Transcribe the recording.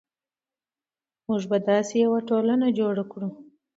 موږ به داسې یوه ټولنه جوړه کړو.